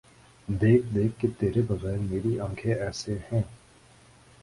دیکھ دیکھ کہ تیرے بغیر میری آنکھیں ایسے ہیں۔